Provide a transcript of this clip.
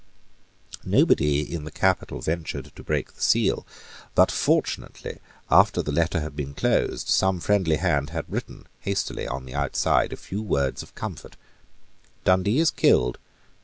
Nobody in the capital ventured to break the seal; but fortunately, after the letter had been closed, some friendly hand had hastily written on the outside a few words of comfort: "Dundee is killed.